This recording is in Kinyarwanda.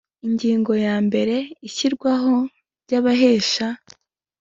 Ingingo ya mbere Ishyirwaho ry Abahesha